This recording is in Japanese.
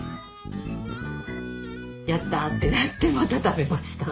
やった！ってなってまた食べました。